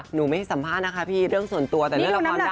หนูไม่ให้สัมภาษณ์นะคะพี่เรื่องส่วนตัวแต่เรื่องละครดัง